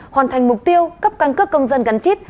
hoàn thành mục tiêu cấp căn cước công dân gắn chip